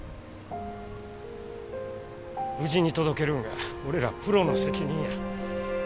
無事に届けるんが俺らプロの責任や。